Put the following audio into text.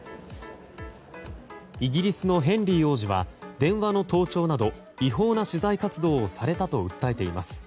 イギリスのヘンリー王子は電話の盗聴など違法な取材活動をされたと訴えています。